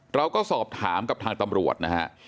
เราก็สอบถามกับทางตำรวจนะฮะ